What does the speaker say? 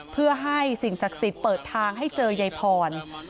เพื่อให้สิ่งศักดิ์สิทธิ์เปิดทางให้เจอยายพร